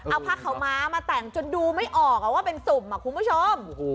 เอาผ้าขาวม้ามาแต่งจนดูไม่ออกว่าเป็นสุ่มคุณผู้ชม